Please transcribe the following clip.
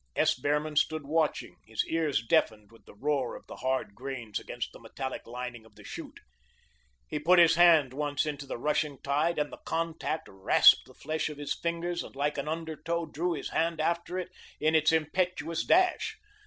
S. Behrman stood watching, his ears deafened with the roar of the hard grains against the metallic lining of the chute. He put his hand once into the rushing tide, and the contact rasped the flesh of his fingers and like an undertow drew his hand after it in its impetuous dash.